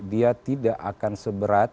dia tidak akan seberat